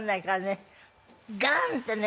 ガンってね。